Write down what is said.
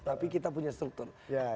tapi kita punya struktur